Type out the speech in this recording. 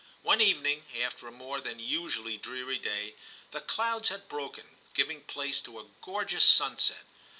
One evening, after a more than usually dreary day, the clouds had broken, giving place to a gorgeous sunset.